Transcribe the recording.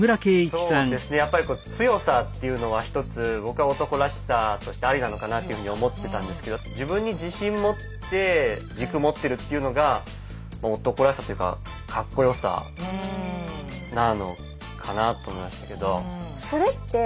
そうですねやっぱり強さっていうのは一つ僕は男らしさとしてありなのかなっていうふうに思ってたんですけど自分に自信持って軸持ってるっていうのが男らしさというかかっこよさなのかなと思いましたけど。